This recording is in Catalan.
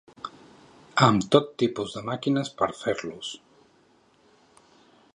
Amb tot tipus de màquines per fer-los.